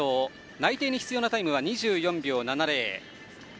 内定に必要なタイムは２４秒７０。